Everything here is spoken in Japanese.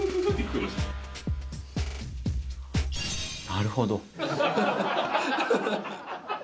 なるほど。